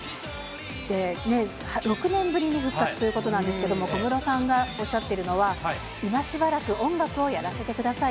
６年ぶりに復活ということなんですけども、小室さんがおっしゃっているのは、今しばらく音楽をやらせてください。